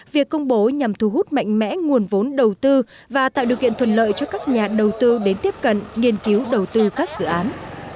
việc công bố nhằm thu hút mạnh mẽ nguồn vốn đầu tư và tạo điều kiện thuận lợi cho các nhà đầu tư đến tiếp cận nghiên cứu đầu tư các dự án